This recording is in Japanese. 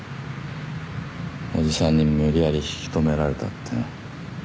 おじさんに無理やり引き止められたって。